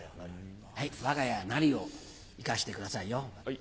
「我が家なり」を生かしてくださいよ。